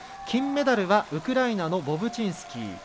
金メダルはウクライナのボブチンスキー。